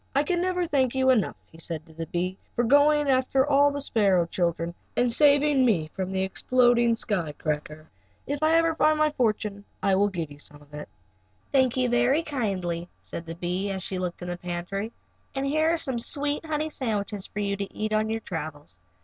"I never can thank you enough," he said to the bee, "for going after the sparrow children and saving me from the exploding sky cracker. If ever I find my fortune I will give you some of it." "Thank you very kindly," said the bee, as she looked in the pantry, "and here are some sweet honey sandwiches for you to eat on your travels.